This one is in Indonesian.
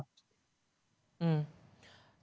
sehingga kita bisa berhasil